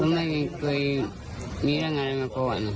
ไม่เคยมีเรื่องอะไรมาก่อน